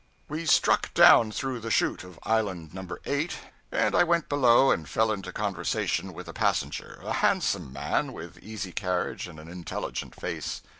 We struck down through the chute of Island No. 8, and I went below and fell into conversation with a passenger, a handsome man, with easy carriage and an intelligent face.